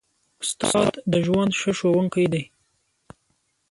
استاد د ژوند ښه ښوونکی دی.